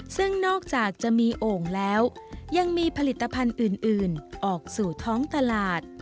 ซึ่งนอกจากจะมีโอ่งแล้วยังมีผลิตภัณฑ์อื่นออกสู่ท้องตลาด